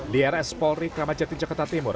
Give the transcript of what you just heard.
di rs polri kramajati jakarta timur